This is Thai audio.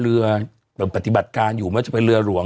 เรือปฏิบัติการอยู่ไม่ใช่เป็นเรือหลวง